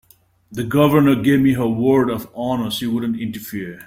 The Governor gave me her word of honor she wouldn't interfere.